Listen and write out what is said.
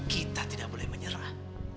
kita tidak boleh menyerah